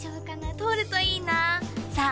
通るといいなさあ